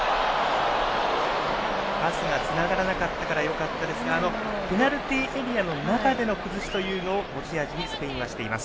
パスがつながらなかったからよかったですがペナルティーエリアの中での崩しを持ち味にスペインはしています。